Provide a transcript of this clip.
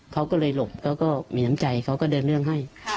เขาก็เลยหลบเขาก็มีน้ำใจเขาก็เดินเรื่องให้